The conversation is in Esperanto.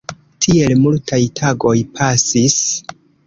Tiel multaj tagoj pasis.